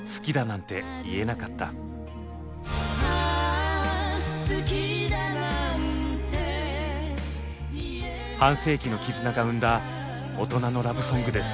タイトルは半世紀の絆が生んだ大人のラブソングです。